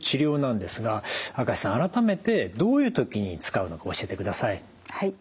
改めてどういう時に使うのか教えてください。